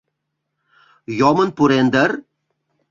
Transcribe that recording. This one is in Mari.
Йомын пурен дыр?